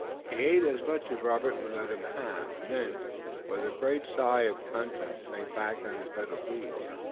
He ate as much as Robert would let him have, and then, with a great sigh of content, sank back on his bed of leaves.